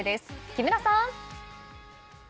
木村さん。